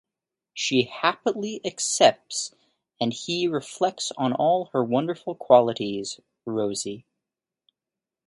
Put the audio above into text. She happily accepts and he reflects on all her wonderful qualities ("Rosie").